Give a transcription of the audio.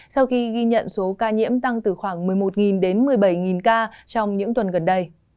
sau khi ghi nhận số ca nhiễm tăng từ khoảng một mươi một đến một mươi bảy ca trong những tuần gần đây